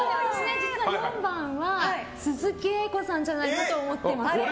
実は４番は鈴木さんじゃないかなって思ってます。